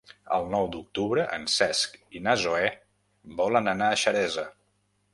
El nou d'octubre en Cesc i na Zoè volen anar a Xeresa.